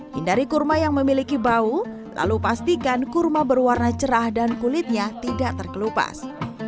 hindari kurma yang memiliki bau lalu pastikan kurma berwarna cerah dan kulitnya tidak terkelupas